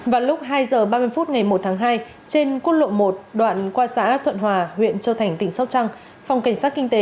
vào lúc hai h ba mươi phút ngày một tháng hai trên quốc lộ một đoạn qua xã thuận hòa huyện châu thành tỉnh sóc trăng